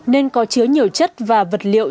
nên có chứa nhiều chất và vật liệu